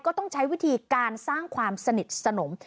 ต้องใช้วิธีการสร้างความสนิทสนม